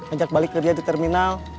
ajak balik kerja di terminal